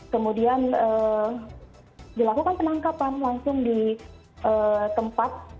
kemudian dilakukan penangkapan langsung di tempat